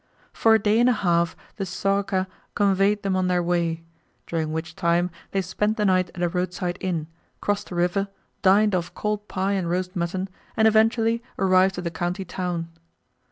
For a day and a half the soroka conveyed them on their way; during which time they spent the night at a roadside inn, crossed a river, dined off cold pie and roast mutton, and eventually arrived at the county town.